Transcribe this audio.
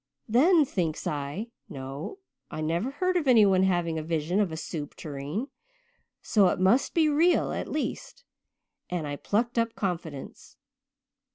Then thinks I, 'No, I never heard of anyone having a vision of a soup tureen, so it must be real at least,' and I plucked up confidence.